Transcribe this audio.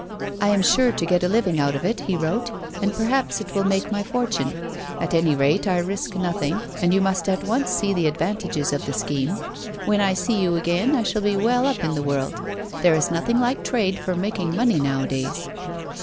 I am sure to get a living out of it," he wrote, " and perhaps it will make my fortune. At any rate I risk nothing, and you must at once see the advantages of the scheme. When I see you again, I shall be well up in the world; there is nothing like trade for making money, nowadays."